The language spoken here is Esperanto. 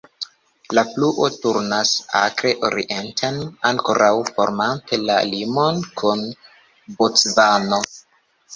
La fluo turnas akre orienten, ankoraŭ formante la limon kun Bocvano.